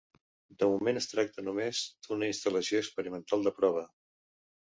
De moment es tracta només d'una instal·lació experimental de prova.